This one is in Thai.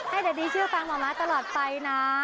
ให้แดดดี้ชื่อฟังหม่าม้าตลอดไปนะ